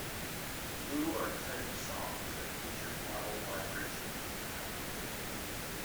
Lu are a type of songs that feature glottal vibrations and high pitches.